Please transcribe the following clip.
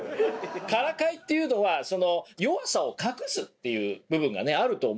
からかいっていうのは弱さを隠すっていう部分があると思うんですよね。